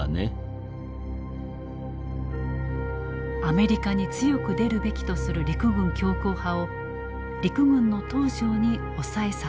アメリカに強く出るべきとする陸軍強硬派を陸軍の東條に抑えさせる。